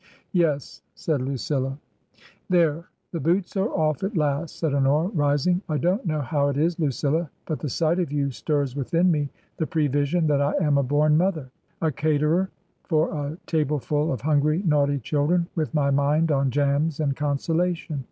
" Yes," said Lucilla. There, the boots are off at last," said Honora, rising. I don't know how it is, Lucilla, but the sight of you stirs within me the prevision that I am a born mother — a caterer for a tableful of hungry naughty children, with my mind on jams and consolation.